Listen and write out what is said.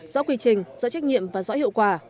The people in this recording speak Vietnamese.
rõ quy trình rõ trách nhiệm và rõ hiệu quả